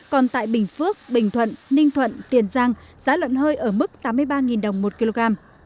còn tại bình phước bình thuận ninh thuận tiền giang giá lợn hơi ở mức tám mươi ba đồng một kg